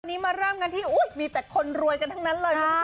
วันนี้มาเริ่มกันที่มีแต่คนรวยกันทั้งนั้นเลยคุณผู้ชม